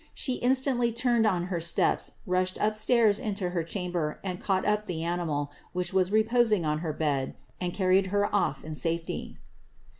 She instantly oraed on her steps, rushed up stairs into her chamber, and caught up be animal, which was reposing on her bed, and carried her off in safety."